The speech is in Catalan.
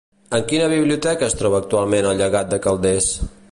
En quina Biblioteca es troba actualment el llegat de Calders?